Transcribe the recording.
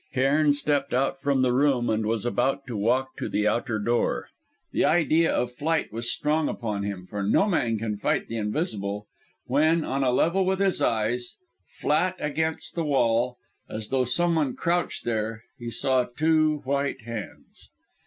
Cairn stepped out from the room and was about to walk to the outer door. The idea of flight was strong upon him, for no man can fight the invisible; when, on a level with his eyes flat against the wall, as though someone crouched there he saw two white hands!